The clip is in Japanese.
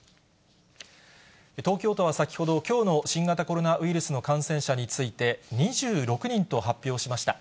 東京都は先ほど、きょうの新型コロナウイルスの感染者について、２６人と発表しました。